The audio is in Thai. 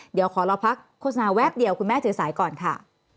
เดี๋ยวขอเราพักโฆษณาแวบเดียวคุณแม่ถือสายก่อนค่ะ